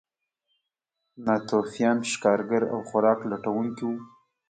ناتوفیان ښکارګر او خوراک لټونکي وو.